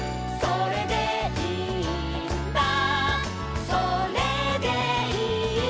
「それでいいんだ」